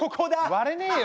割れねえよ